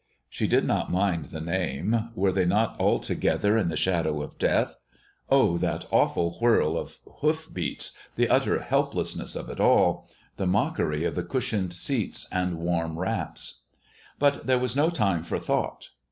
She did not mind the name. Were they not together in the shadow of death? Oh, that awful whirl of hoof beats! the utter helplessness of it all; the mockery of the cushioned seats and warm wraps! But there was no time for thought.